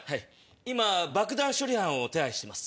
今爆弾処理班を手配してます。